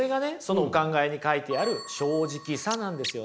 そのお考えに書いてある「正直さ」なんですよね。